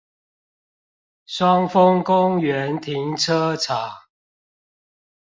雙峰公園停車場